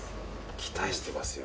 期待してますよ。